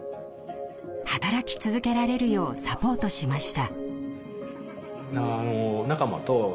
働き続けられるようサポートしました。